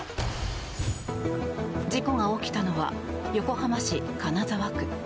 事故が起きたのは横浜市金沢区。